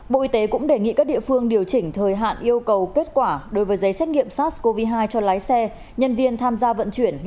bộ y tế cũng đề nghị các địa phương điều chỉnh thời hạn yêu cầu kết quả đối với giấy xét nghiệm sars cov hai cho lái xe nhân viên tham gia vận chuyển